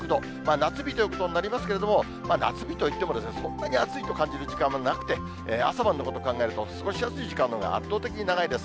夏日ということになりますけれども、夏日といってもそんなに暑いと感じる時間はなくて、朝晩のこと考えると、過ごしやすい時間のほうが圧倒的に長いです。